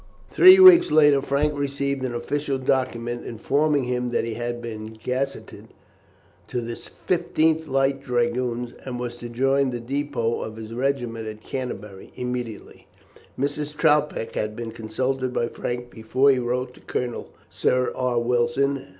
Three weeks later Frank received an official document, informing him that he had been gazetted to the 15th Light Dragoons, and was to join the depot of his regiment at Canterbury immediately. Mrs. Troutbeck had been consulted by Frank before he wrote to Colonel Sir R. Wilson.